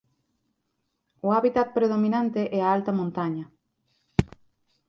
O hábitat predominante e a alta montaña.